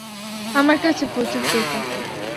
আমার কাছে প্রচুর কেস আছে।